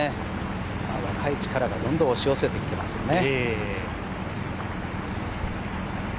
若い力がどんどん押し寄せてきていますよね。